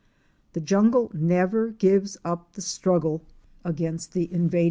The jungle never gives up the struggle against the invading 59 PITCH.